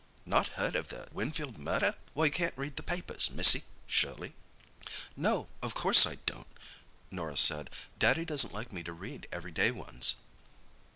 "Not heard of the Winfield murder! Why, you can't read the papers, missy, surely?" "No; of course I don't," Norah said. "Daddy doesn't like me to read everyday ones."